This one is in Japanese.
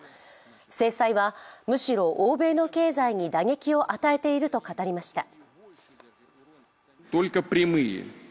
制裁はむしろ欧米の経済に打撃を与えていると語りました。